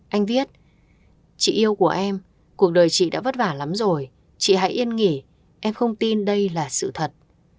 anh viết chị yêu của em cuộc đời chị đã vất vả lắm rồi chị hãy yên nghỉ em không tin đây là sự thật